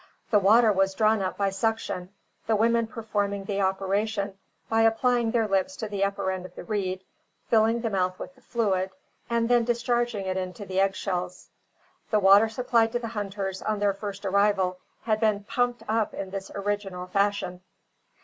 The water was drawn up by suction, the women performing the operation by applying their lips to the upper end of the reed, filling the mouth with the fluid, and then discharging it into the egg shells. The water supplied to the hunters on their first arrival had been "pumped" up in this original fashion!